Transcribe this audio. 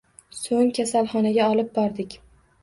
So`ng kasalxonaga olib bordik